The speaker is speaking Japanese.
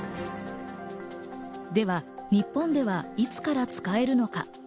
では日本ではいつから使えるのか。